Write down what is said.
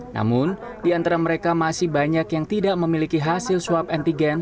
namun di antara mereka masih banyak yang tidak memiliki hasil swab antigen